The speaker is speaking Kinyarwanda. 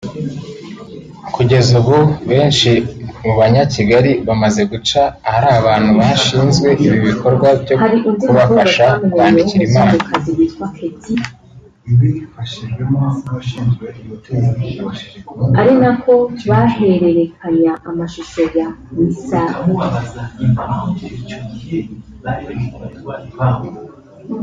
Kugeza ubu benshi mu Banyakigali bamaze guca ahari abantu bashinzwe ibi bikorwa byo kubafasha kwandikira Imana